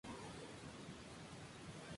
Además suelen venir en un cuerpo, o partidas.